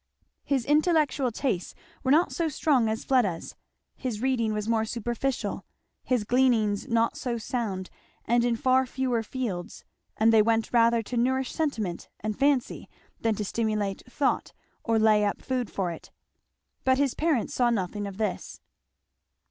His intellectual tastes were not so strong as Fleda's; his reading was more superficial; his gleanings not so sound and in far fewer fields, and they went rather to nourish sentiment and fancy than to stimulate thought or lay up food for it. But his parents saw nothing of this.